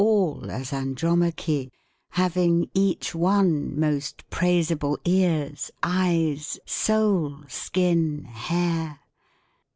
All, as Andromache— Having, each one, most praisable Ears, eyes, soul, skin, hair?